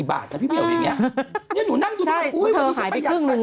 มายขึ้นนิดหนึ่ง